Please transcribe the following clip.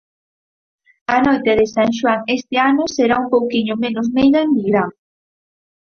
A noite de San Xoán este ano será un pouquiño menos meiga en Nigrán.